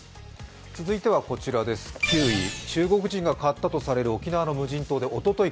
続いては９位、中国人が買ったとされる沖縄の無人島でおととい